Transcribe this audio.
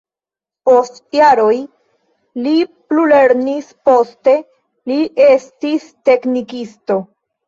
Post jaroj li plulernis, poste li estis teknikisto.